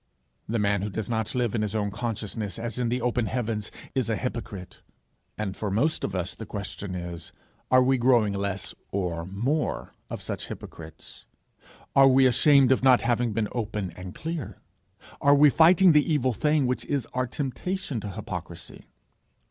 The man who does not live in his own consciousness as in the open heavens, is a hypocrite and for most of us the question is, are we growing less or more of such hypocrites? Are we ashamed of not having been open and clear? Are we fighting the evil thing which is our temptation to hypocrisy?